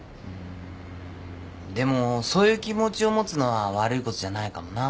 でもそういう気持ちを持つのは悪いことじゃないかもな。